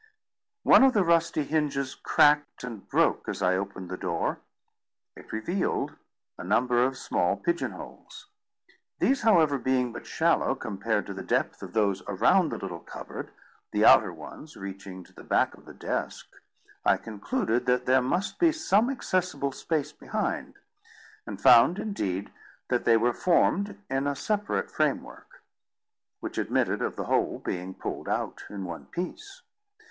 One of the rusty hinges cracked and broke as I opened the door: it revealed a number of small pigeon holes. These, however, being but shallow compared with the depth of those around the little cupboard, the outer ones reaching to the back of the desk, I concluded that there must be some accessible space behind; and found, indeed, that they were formed in a separate framework, which admitted of the whole being pulled out in one piece.